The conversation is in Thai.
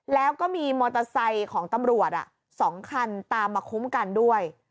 แล้วก็มีมอเตอร์ไซค์ของตำรวจ๒คันตามมาคุ้มกันด้วย